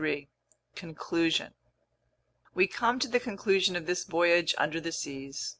CHAPTER 23 Conclusion WE COME TO the conclusion of this voyage under the seas.